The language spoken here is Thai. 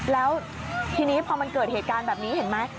แล้วทีนี้พอมันเกิดเหตุการณ์แบบนี้เห็นไหม